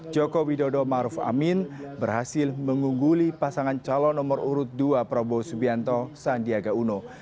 joko widodo maruf amin berhasil mengungguli pasangan calon nomor urut dua prabowo subianto sandiaga uno